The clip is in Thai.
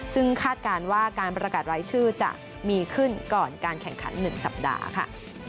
ซึ่งคาดการณ์ว่าการประกาศรายชื่อจะมีขึ้นก่อนการแข่งขัน๑สัปดาห์ค่ะ